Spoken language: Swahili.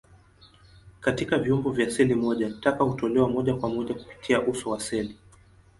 Katika viumbe vya seli moja, taka hutolewa moja kwa moja kupitia uso wa seli.